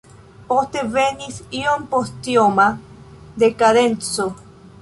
Poste venis iompostioma dekadenco.